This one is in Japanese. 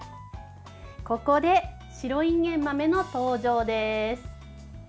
ここで白いんげん豆の登場です。